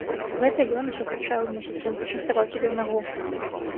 Гэта ён усё крычаў і, мусіць, ён пачаставаў цябе ў нагу.